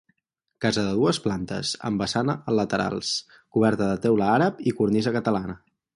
Casa de dues plantes, amb vessant a laterals, coberta de teula àrab i cornisa catalana.